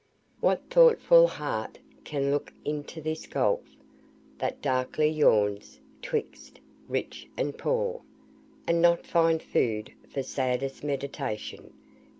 "What thoughtful heart can look into this gulf That darkly yawns 'twixt rich and poor, And not find food for saddest meditation!